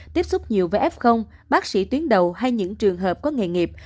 tiếp xúc nhiều với f bác sĩ tuyến đầu hay những trường hợp có nghề nghiệp